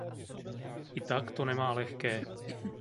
I tak to nemá lehké.